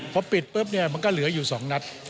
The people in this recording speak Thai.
พอปิดปุ๊บเนี่ยมันก็เหลืออยู่๒นัด